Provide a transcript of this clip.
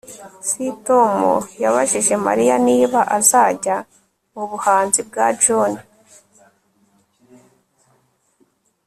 S Tom yabajije Mariya niba azajya mu buhanzi bwa John